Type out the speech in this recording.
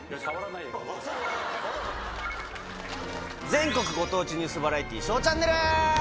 全国ご当地ニュースバラエティー『ＳＨＯＷチャンネル』！